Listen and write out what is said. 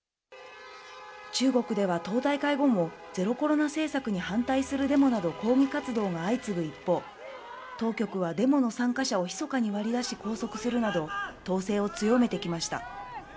中国では党大会後もゼロコロナ政策に反対するデモなどの抗議活動が相次ぐ一方、当局はデモの参加者をひそかに割り出し、拘束するなど統制を強めてきました。